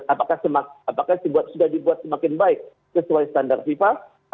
apakah sudah dibuat semakin baik sesuai standar fifa